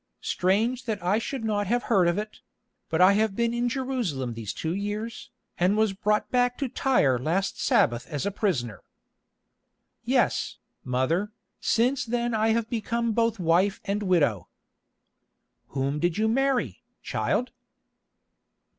Strange that I should not have heard of it; but I have been in Jerusalem these two years, and was brought back to Tyre last Sabbath as a prisoner." "Yes, Mother, and since then I have become both wife and widow." "Whom did you marry, child?"